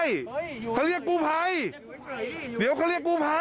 เฮ้ยเขาเรียกกูไภเดี๋ยวเขาเรียกกูไภ